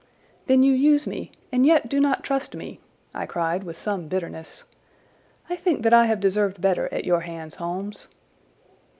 "Then you use me, and yet do not trust me!" I cried with some bitterness. "I think that I have deserved better at your hands, Holmes."